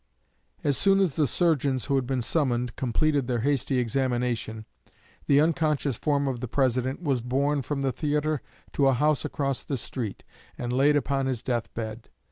As soon as the surgeons who had been summoned completed their hasty examination, the unconscious form of the President was borne from the theatre to a house across the street, and laid upon his death bed.